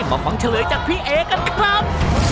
มาฟังเฉลยจากพี่เอกันครับ